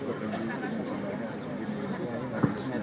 kurang lebih dua puluh tahun